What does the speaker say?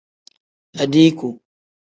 Adiiku.